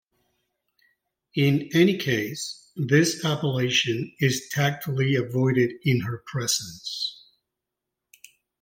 In any case, this appellation is tactfully avoided in her presence.